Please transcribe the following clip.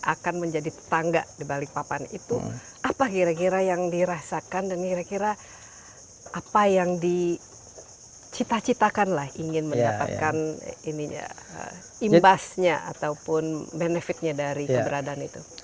akan menjadi tetangga di balikpapan itu apa kira kira yang dirasakan dan kira kira apa yang dicita citakan lah ingin mendapatkan imbasnya ataupun benefitnya dari keberadaan itu